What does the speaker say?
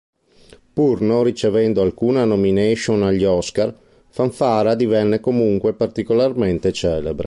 Pur non ricevendo alcuna nomination agli Oscar, "Fanfara" divenne comunque particolarmente celebre.